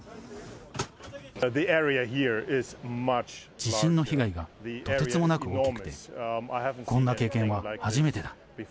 地震の被害がとてつもなく大きくて、こんな経験は初めてだ。